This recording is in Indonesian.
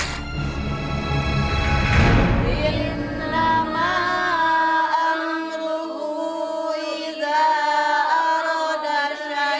nyai ageng rang